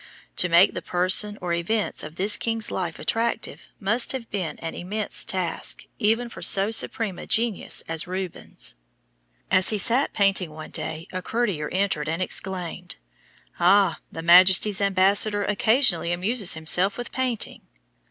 To make the person or events of this king's life attractive must have been an immense task even for so supreme a genius as Rubens. As he sat painting one day a courtier entered and exclaimed, "Ah, his Majesty's Ambassador occasionally amuses himself with painting."